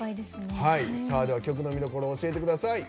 曲の見どころを教えてください。